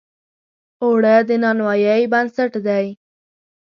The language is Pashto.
اوړه د نانوایۍ بنسټ دی